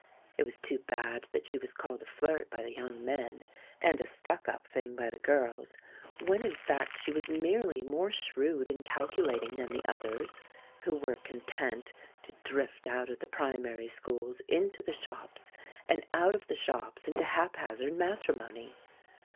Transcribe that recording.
It was too bad that she was called a flirt by the young men, and a stuck up thing by the girls, when in fact she was merely more shrewd and calculating than the others, who were content to drift out of the primary schools into the shops, and out of the shops into haphazard matrimony.